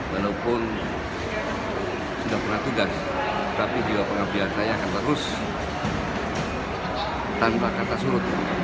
walaupun sudah pernah tugas tapi juga pengabdian saya akan terus tanpa kata surut